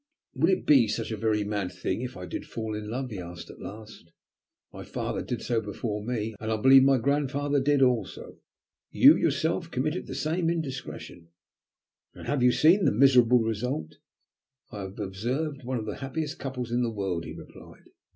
"Would it be such a very mad thing if I did fall in love?" he asked at last. "My father did so before me, and I believe my grandfather did also. You, yourself, committed the same indiscretion." "And you have seen the miserable result?" "I have observed one of the happiest couples in the world," he replied.